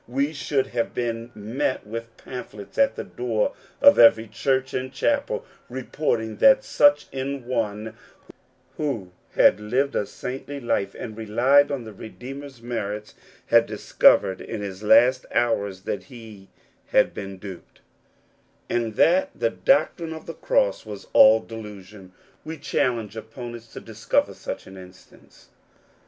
We should have been met with pamphlets at the door of every church and chapel, reporting that such an one, who had lived a saintly life, and relied on the Redeemer's merits, had discovered in his last' hours that he had been duped, and that the doctrine of the cross was all delusion. We challenge opponents to discover such an instance.